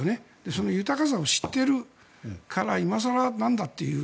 その豊かさを知っているから今更なんだという。